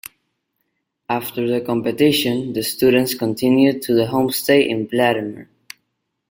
After the competition, the students continue to the homestay in Vladimir.